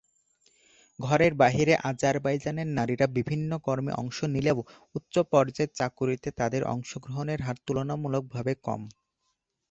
ঘরের বাইরে আজারবাইজানের নারীরা বিভিন্ন কর্মে অংশ নিলেও, উচ্চ-পর্যায়ের চাকুরিতে তাদের অংশগ্রহণের হার তুলনামূলকভাবে কম।